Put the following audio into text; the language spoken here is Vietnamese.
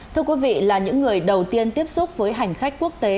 thưa quý vị là những người đầu tiên tiếp xúc với hành khách quốc tế